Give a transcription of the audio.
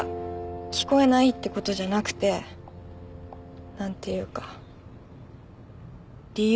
聞こえないってことじゃなくて何ていうか理由？